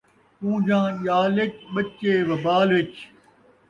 کون٘جاں ڄال ءِچ ، ٻچے وبال ءِچ